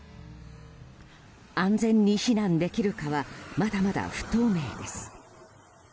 安全に避難できるかはまだまだ不透明です。